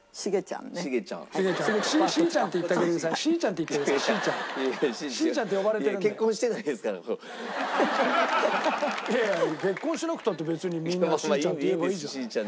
いやいや結婚してなくたって別にみんなが「しーちゃん」って言えばいいじゃん。